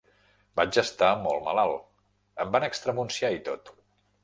Vaig estar molt malalt: em van extremunciar i tot.